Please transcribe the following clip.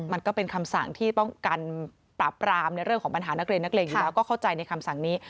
มันก็เป็นคำสั่งที่ป้องกันปราบปรามในเรื่องของปัญหานักเรียนนักเลงอยู่แล้วก็เข้าใจในคำสั่งนี้